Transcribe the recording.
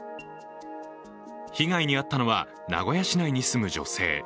被害に遭ったのは名古屋市内に住む女性。